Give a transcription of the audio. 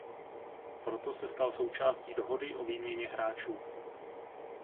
Proto se stal součástí dohody o výměně hráčů.